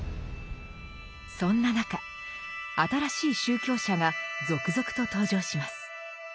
そんな中新しい宗教者が続々と登場します。